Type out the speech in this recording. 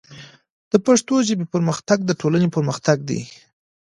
د پښتو ژبې پرمختګ د ټولنې پرمختګ دی.